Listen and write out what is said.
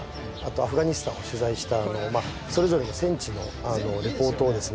アフガニスタンを取材したそれぞれの戦地のリポートをですね